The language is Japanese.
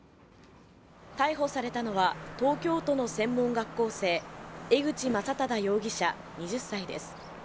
逮捕されたのは、東京都の専門学校生江口将匡容疑者、２０歳です。